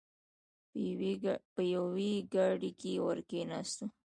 په یوې ګاډۍ کې ور کېناستلو.